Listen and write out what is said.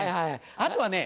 あとはね